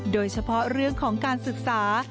โดยเฉพาะเรื่องของการศึกษา